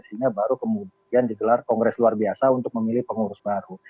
sehingga baru kemudian digelar kongres luar biasa untuk memilih pengurus baru